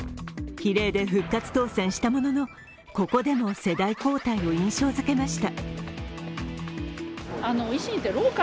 比例で復活当選したもののここでも世代交代を印象づけました。